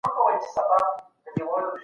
ما تېره اونۍ یو ښکلی کتاب واخیست.